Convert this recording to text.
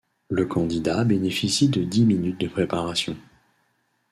Le candidat bénéficie de dix minutes de préparation.